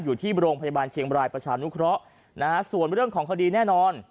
อยู่ที่โรงพยาบาลเชียงบรายประชานุเคราะห์นะฮะส่วนเรื่องของคดีแน่นอน